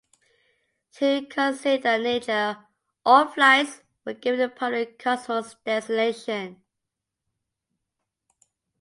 To conceal their nature, all flights were given the public Kosmos designation.